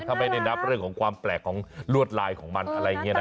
ถ้าไม่ได้นับเรื่องของความแปลกของลวดลายของมันอะไรอย่างนี้นะ